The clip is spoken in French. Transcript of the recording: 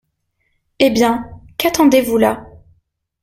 Eh bien, qu’attendez-vous là ?